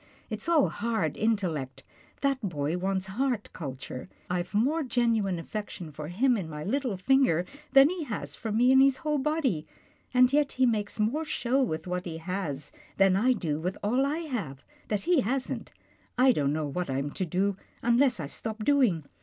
It's all hard intellect. That boy wants heart culture. I've more genuine affection for him in my little finger than he has for me in his whole body — and yet he makes more show with what he has than I do with all I have, that he hasn't. I don't know what I'm to do, unless I stop doing.